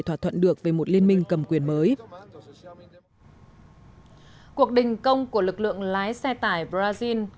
thỏa thuận được về một liên minh cầm quyền mới cuộc đình công của lực lượng lái xe tải brazil